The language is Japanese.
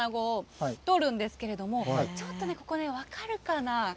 たくさん、筒で漁、あなごを取るんですけれども、ちょっとね、ここね、分かるかな？